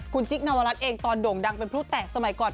คุณจิ๊กนวรัฐเองตอนโด่งดังเป็นผู้แตกสมัยก่อน